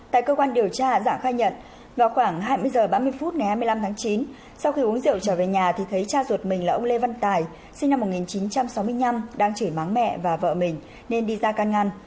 tại cơ quan điều tra giảng khai nhận vào khoảng hai mươi h ba mươi phút ngày hai mươi năm tháng chín sau khi uống rượu trở về nhà thì thấy cha ruột mình là ông lê văn tài sinh năm một nghìn chín trăm sáu mươi năm đang chửi máng mẹ và vợ mình nên đi ra can ngăn